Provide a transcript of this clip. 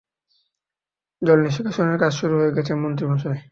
জল নিষ্কাশনের কাজ শুরু হয়ে গেছে, মন্ত্রী মশাই।